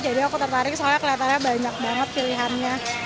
jadi aku tertarik soalnya kelihatannya banyak banget pilihannya